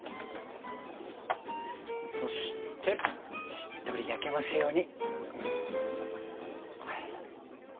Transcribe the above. そしてしっとり焼けますように。